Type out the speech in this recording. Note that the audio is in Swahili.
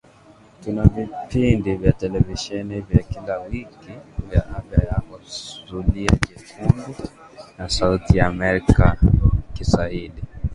tuna vipindi vya televisheni vya kila wiki vya Afya Yako Zulia Jekundu na sauti ya Amerika Kiswahili